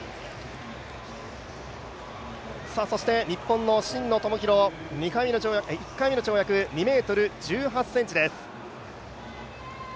そして日本の真野友博１回目の跳躍２ｍ１８ｃｍです。